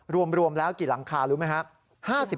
รวมแล้วกี่หลังคารู้ไหมครับ